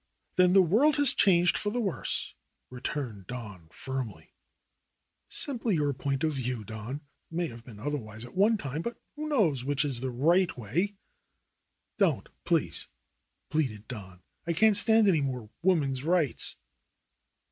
"Then the world has changed for the worse," returned Don firmly. "Simply your point of view, Don. It may have been otherwise at one time. But who knows which is the right way ?" "Don't, please!" pleaded Don. "I can't stand any more woman's rights."